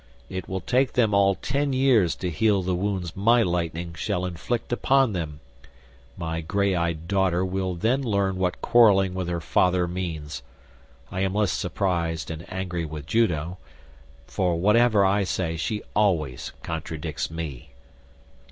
It will take them all ten years to heal the wounds my lightning shall inflict upon them; my grey eyed daughter will then learn what quarrelling with her father means. I am less surprised and angry with Juno, for whatever I say she always contradicts me."